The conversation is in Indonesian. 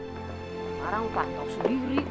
sekarang pak tau sendiri